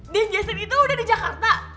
dan jason itu udah di jakarta